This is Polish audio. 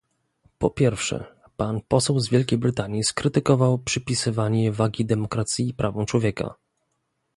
Po pierwsze, pan poseł z Wielkiej Brytanii skrytykował przypisywanie wagi demokracji i prawom człowieka